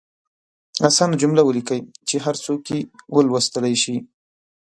اسانه جملې ولیکئ چې هر څوک یې ولوستلئ شي.